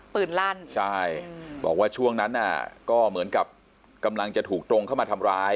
ลั่นใช่บอกว่าช่วงนั้นน่ะก็เหมือนกับกำลังจะถูกตรงเข้ามาทำร้าย